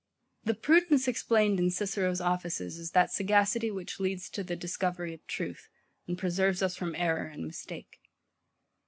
The prudence explained in Cicero's Offices [Footnote: Lib. i. cap. 6.] is that sagacity, which leads to the discovery of truth, and preserves us from error and mistake.